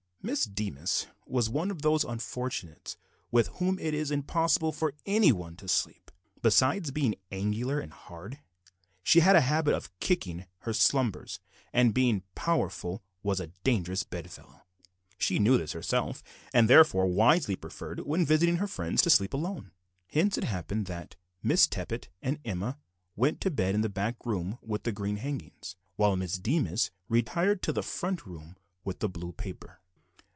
Miss Deemas was one of those unfortunates with whom it is impossible for any one to sleep. Besides being angular and hard, she had a habit of kicking in her slumbers, and, being powerful, was a dangerous bedfellow. She knew this herself, and therefore wisely preferred, when visiting her friends, to sleep alone. Hence it happened that Miss Tippet and Emma went to bed in the back room with the green hangings, while Miss Deemas retired to the front room with the blue paper.